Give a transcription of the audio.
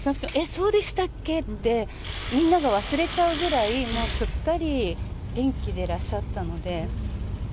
そうでしたっけ？ってみんなが忘れちゃうぐらい、すっかり元気でいらっしゃったので。